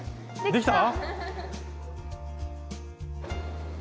できた。